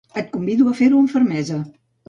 El convido a fer-ho amb fermesa.